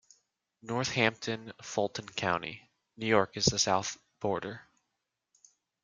Northampton, Fulton County, New York is the south border.